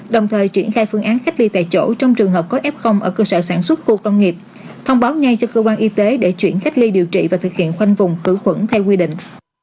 đồng thời triển khai phương án cách ly tại chỗ trong trường hợp có f ở cơ sở sản xuất khu công nghiệp thông báo ngay cho cơ quan y tế để chuyển cách ly điều trị và thực hiện khoanh vùng tử khuẩn theo quy định